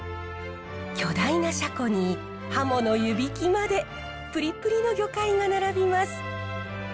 巨大なシャコにハモの湯引きまでプリプリの魚介が並びます。